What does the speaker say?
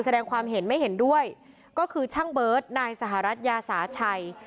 แสดงความเห็นไม่เห็นด้วยก็คือช่างเบิร์ตนายสหรัฐยาสาชัย